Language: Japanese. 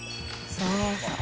そうそう。